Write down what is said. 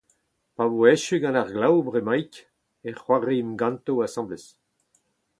Pa vo echu gant ar glav bremaik e c'hoariimp ganto asambles.